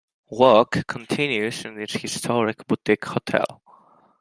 Work continues on this historic boutique hotel.